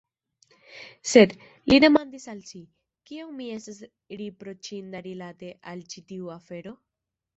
Sed, li demandis al si, kiom mi estas riproĉinda rilate al ĉi tiu afero?